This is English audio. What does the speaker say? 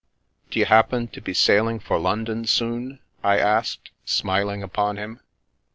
"D'you happen to be sailing for London soon?" I asked, smiling upon him.